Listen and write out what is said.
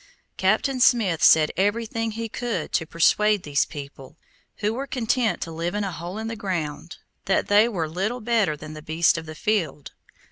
Captain Smith said everything he could to persuade these people, who were content to live in a hole in the ground, that they were little better than beasts of the field.